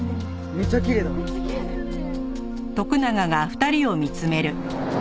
めっちゃきれいだよね！